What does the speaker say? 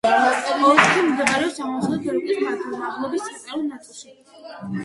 ოლქი მდებარეობს აღმოსავლეთ ევროპის მაღლობის ცენტრალურ ნაწილში.